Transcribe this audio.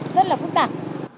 rất là phức tạp